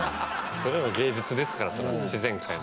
それも芸術ですからそれも自然界の。